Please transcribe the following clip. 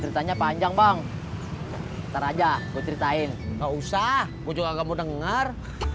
ceritanya panjang bang ntar aja gue ceritain nggak usah gue juga kamu dengar